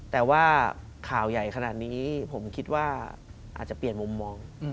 แต่ว่าข่าวใหญ่ขนาดนี้ผมคิดว่าอาจจะเปลี่ยนมุมมอง